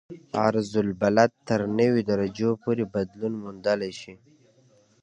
عرض البلد تر نوي درجو پورې بدلون موندلی شي